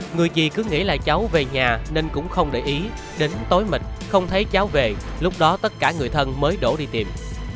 người chị cứ nghĩ là cháu về nhà nên cũng không để ý đến tối mịt không thấy cháu về lúc đó tất cả người thân mới đổ đi tìm